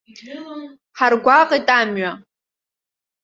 Ҳаргәаҟит амҩа.